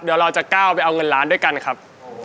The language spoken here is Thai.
เดี๋ยวเราจะก้าวไปเอาเงินล้านด้วยกันครับ